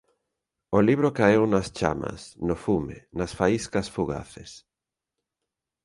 O libro caeu nas chamas, no fume, nas faíscas fugaces.